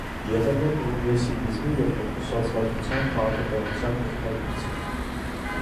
Եղել է պրոգրեսիվիզմի և մեկուսացվածության քաղաքականության կողմնակից։